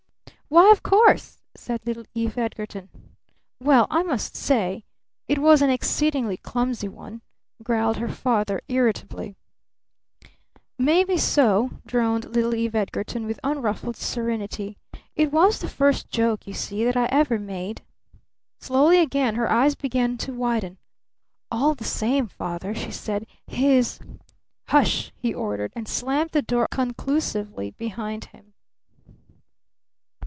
"Why, of course!" said little Eve Edgarton. "Well, I must say it was an exceedingly clumsy one!" growled her father irritably. "Maybe so," droned little Eve Edgarton with unruffled serenity. "It was the first joke, you see, that I ever made." Slowly again her eyes began to widen. "All the same, Father," she said, "his " "Hush!" he ordered, and slammed the door conclusively behind him.